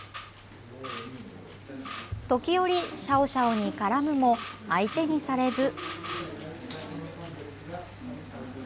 時折、シャオシャオに絡むも相手にされず。